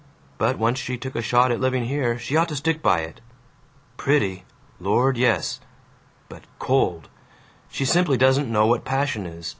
But once she took a shot at living here, she ought to stick by it. Pretty Lord yes. But cold. She simply doesn't know what passion is.